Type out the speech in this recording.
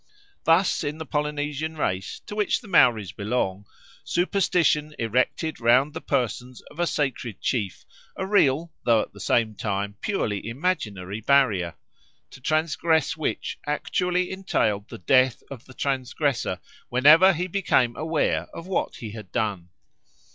Thus in the Polynesian race, to which the Maoris belong, superstition erected round the persons of sacred chiefs a real, though at the same time purely imaginary barrier, to transgress which actually entailed the death of the transgressor whenever he became aware of what he had done.